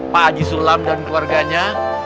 pak haji sulam dan keluarganya